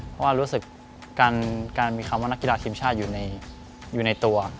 เพราะว่ารู้สึกการมีคำว่านักกีฬาทีมชาติอยู่ในตัว